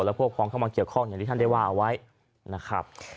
และพวกคล้องเข้ามาเกี่ยวข้องอย่างที่ท่านได้ว่าเอาไว้นะครับ